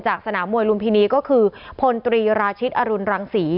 สนามมวยลุมพินีก็คือพลตรีราชิตอรุณรังศรี